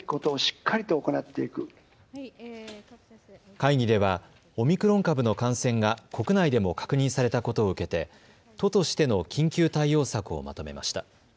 会議ではオミクロン株の感染が国内でも確認されたことを受けて都としての緊急対応策をまとめました。